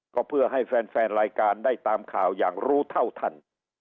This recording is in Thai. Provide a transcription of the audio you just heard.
ก็เพื่อให้แฟนรายการได้ตามข่าวอย่างรู้เท่าทัน